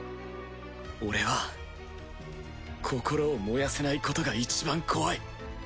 俺は心を燃やせないことがいちばん怖い！